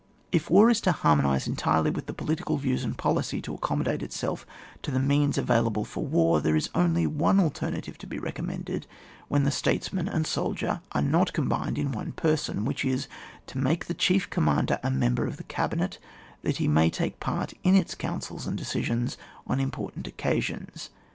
If war is to harmonise entirely with the political views and policy, to accom modate itself to the means available for war, there is only one alternative to be reconmiended when the statesman and soldier are not combined in one person, which is, to make the chief conmiander a member of the cabinet, that he may take part in its councils and decisions on important occasions.